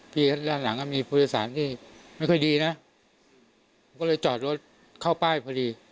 ด้านหลังก็มีผู้โดยสารที่ไม่ค่อยดีนะผมก็เลยจอดรถเข้าป้ายพอดี